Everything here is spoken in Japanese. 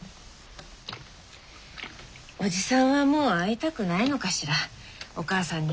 おじさんはもう会いたくないのかしらお母さんには。